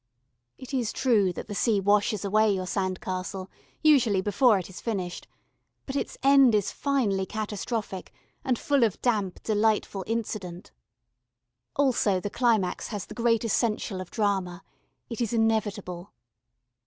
It is true that the sea washes away your sand castle, usually before it is finished, but its end is finely catastrophic and full of damp delightful incident. Also the climax has the great essential of drama it is inevitable.